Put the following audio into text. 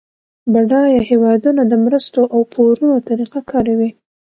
بډایه هیوادونه د مرستو او پورونو طریقه کاروي